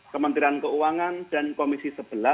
kementerian keuangan dan komisi sebelas